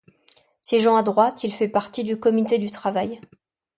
Siégeant à droite, il fait partie du comité du Travail.